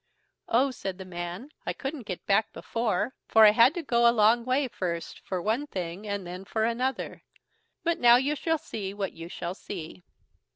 "Oh!" said the man, "I couldn't get back before, for I had to go a long way first for one thing, and then for another; but now you shall see what you shall see."